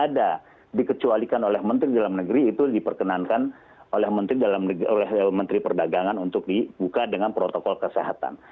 tidak ada dikecualikan oleh menteri dalam negeri itu diperkenankan oleh menteri perdagangan untuk dibuka dengan protokol kesehatan